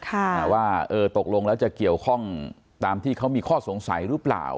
ว่าเออตกลงแล้วจะเกี่ยวข้องตามที่เขามีข้อสงสัยหรือเปล่า